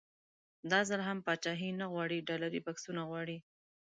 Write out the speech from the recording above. دا ځل هم پاچاهي نه غواړي ډالري بکسونه غواړي.